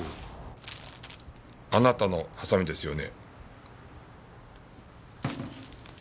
あなたのハサミですよね？